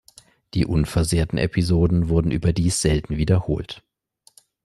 Die unversehrten Episoden wurden überdies selten wiederholt.